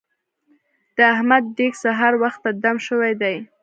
د احمد دېګ سهار وخته دم شوی دی.